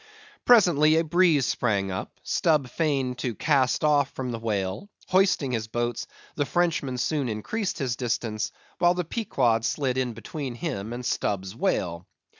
Presently a breeze sprang up; Stubb feigned to cast off from the whale; hoisting his boats, the Frenchman soon increased his distance, while the Pequod slid in between him and Stubb's whale.